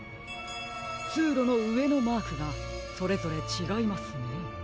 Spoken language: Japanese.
つうろのうえのマークがそれぞれちがいますね。